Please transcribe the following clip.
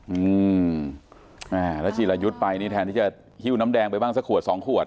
อืมอ่าแล้วจีรายุทธ์ไปนี่แทนที่จะหิ้วน้ำแดงไปบ้างสักขวดสองขวด